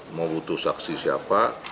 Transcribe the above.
mau butuh saksi siapa